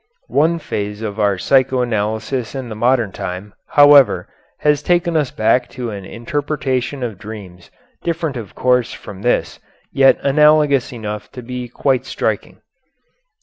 One phase of our psycho analysis in the modern time, however, has taken us back to an interpretation of dreams different of course from this, yet analogous enough to be quite striking.